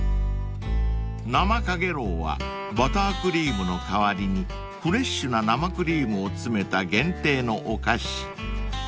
［生かげろうはバタークリームの代わりにフレッシュな生クリームを詰めた限定のお菓子］